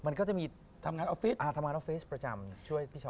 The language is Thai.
มันก็จะมีทำงานออฟฟิศทำงานออฟฟิศประจำช่วยพี่เช้า